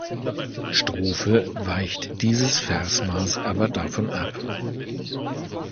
Strophe weicht dieses Versmaß aber davon ab.